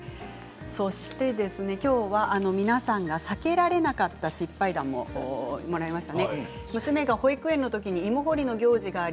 きょうは皆さんがサケられなかった失敗談も、もらいました。